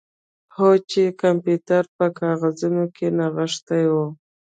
هو چې د کمپیوټر په کاغذونو کې نغښتې وه